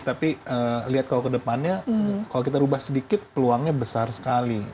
tapi lihat kalau kedepannya kalau kita berubah sedikit peluangnya besar sekali